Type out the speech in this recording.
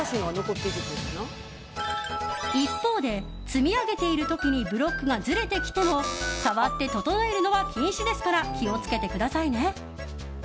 一方で、積み上げている時にブロックがずれてきても触って整えるのは禁止ですから気を付けてくださいね。